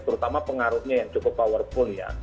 terutama pengaruhnya yang cukup powerful ya